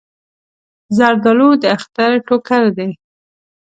زردالو د اختر ټوکر دی.